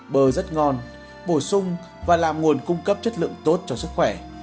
bơ rất ngon bổ sung và làm nguồn cung cấp chất lượng tốt cho sức khỏe